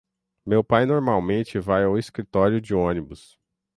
Meu pai normalmente vai ao escritório de ônibus.